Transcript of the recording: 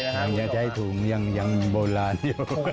ทำนะคะใช่ถุงยังยังโบราณอยู่